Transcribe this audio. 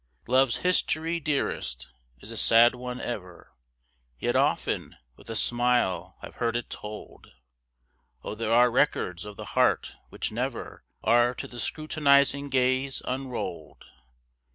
Love's history, dearest, is a sad one ever, Yet often with a smile I've heard it told! Oh, there are records of the heart which never Are to the scrutinizing gaze unrolled!